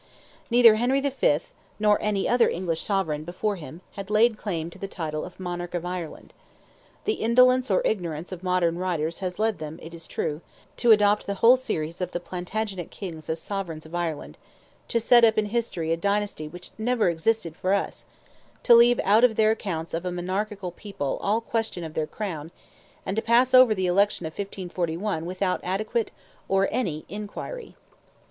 Neither Henry V., nor any other English sovereign before him, had laid claim to the title of "Monarch of Ireland." The indolence or ignorance of modern writers has led them, it is true, to adopt the whole series of the Plantagenet Kings as sovereigns of Ireland—to set up in history a dynasty which never existed for us; to leave out of their accounts of a monarchical people all question of their crown; and to pass over the election of 1541 without adequate, or any inquiry.